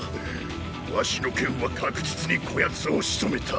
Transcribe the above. わしの剣は確実にこやつをしとめた。